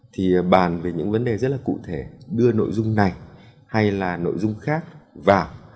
thì bàn về những vấn đề rất là cụ thể đưa nội dung này hay là nội dung khác vào